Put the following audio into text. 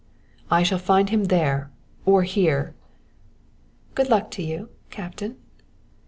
"I shall find him there or here!" "Good luck to you, Captain!"